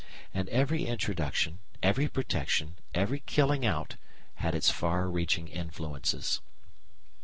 And every introduction, every protection, every killing out had its far reaching influences.